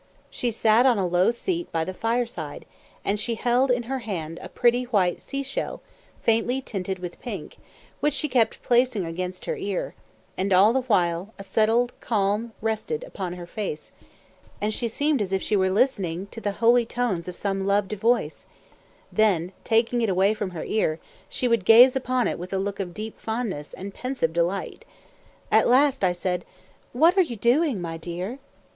She sat on a low seat by the fire side, and she held in her hand a pretty white sea shell, faintly tinted with pink, which she kept placing against her ear; and all the while a settled calm rested upon her face, and she seemed as if she were listening to the holy tones of some loved voice; then taking it away from her ear, she would gaze upon it with a look of deep fondness and pensive delight. At last I said, "What are you doing, my dear?"